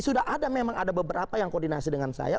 sudah ada memang ada beberapa yang koordinasi dengan saya